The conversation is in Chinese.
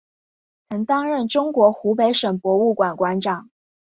曾担任中国湖北省博物馆馆长。